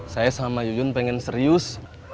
saya sama yuyun pengen serius